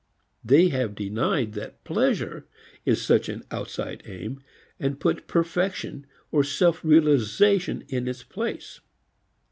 They have denied that pleasure is such an outside aim, and put perfection or self realization in its place.